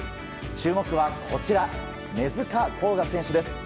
注目は根塚洸雅選手です。